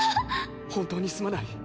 本当にすまない。